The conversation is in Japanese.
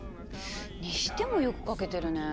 にしてもよく書けてるねえ。